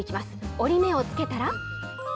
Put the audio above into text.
折り目を付けたら。